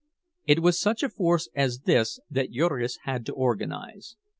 It was such a force as this that Jurgis had to organize.